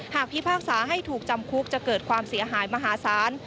พิพากษาให้ถูกจำคุกจะเกิดความเสียหายมหาศาล